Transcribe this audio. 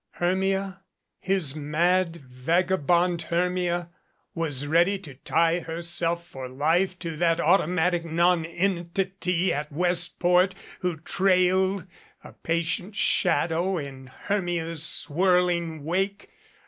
Hermia, his mad vagabond Hermia, was ready to tie her self for life to that automatic nonentity at Westport who trailed, a patient shadow in Hermia's swirling wake.